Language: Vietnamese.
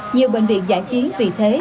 nhiều bệnh viện giải chiến vì thế